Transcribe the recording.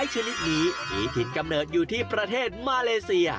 หรือถิ่นกำเนิดอยู่ที่ประเทศมาเลเซีย